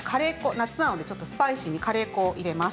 夏なのでスパイシーにカレー粉を入れます。